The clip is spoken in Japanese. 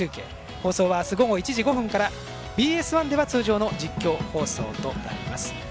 放送は明日午後１時５分からＢＳ１では通常の実況放送となります。